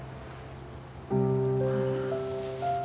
ああ。